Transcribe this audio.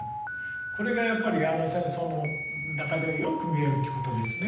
これがやっぱりあの戦争の中ではよく見えるっていうことですね。